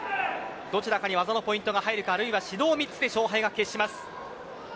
どちらかに技のポイントが入るかあるいは指導３つで勝敗が決します。